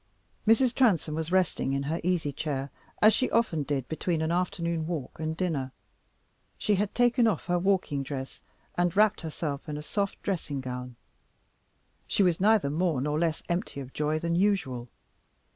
Mrs. Transome was resting in her easy chair, as she often did between an afternoon walk and dinner. She had taken off her walking dress and wrapped herself in a soft dressing gown. She was neither more nor less empty of joy than usual.